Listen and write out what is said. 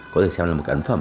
có thể xem là một cái ấn phẩm